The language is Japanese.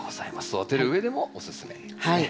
育てるうえでもおすすめですね。